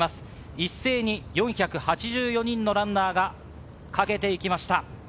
一斉に４８４人のランナーが駆けていきました。